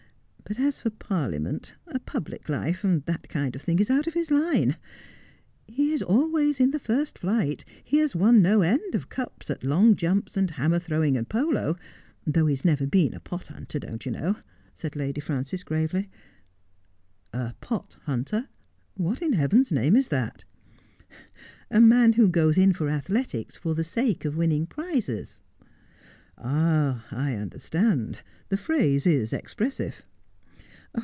But as for Parliament — a public life — that kind of thing is out of his line. He is always in the first flight, he has won no end of cups at long jumps, and hammer throwing, and polo , though he has never been a pot hunter, don't you know ?' said Lady Frances gravely. ' A pot hunter ? What in heaven's name is that 1 '' A man who goes in for athletics for the sake of winning prizes.' ' I understand. The phrase is expressive.'